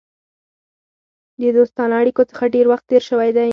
د دوستانه اړېکو څخه ډېر وخت تېر شوی دی.